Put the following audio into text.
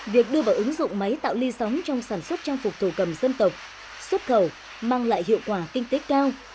việc đưa vào ứng dụng máy tạo ly sóng trong sản xuất trang phục thổ cầm dân tộc xuất khẩu mang lại hiệu quả kinh tế cao